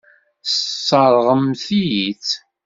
Tesseṛɣemt-iyi-tt.